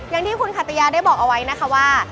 อย่างที่คุณขัตยาได้บอกเอาไว้นะคะว่า